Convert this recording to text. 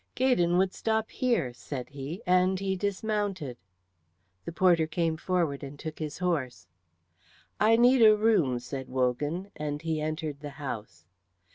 "Gaydon would stop here," said he, and he dismounted. The porter came forward and took his horse. "I need a room," said Wogan, and he entered the house.